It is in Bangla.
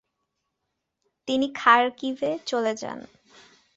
তিনি খারকিভে চলে যান।